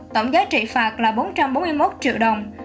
tổng giá trị phạt là bốn trăm bốn mươi một triệu đồng